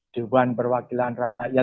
diwan perwakilan rakyat